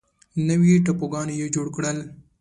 نوي ټاپوګانو یې جوړ کړل.